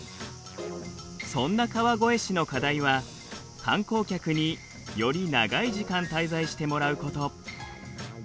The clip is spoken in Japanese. そんな川越市の課題は観光客により長い時間滞在してもらうこと。